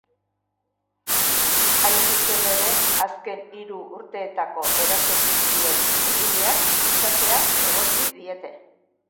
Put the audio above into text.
Hain zuzen ere, azken hiru urteetako eraso guztien egileak izatea egotzi diete.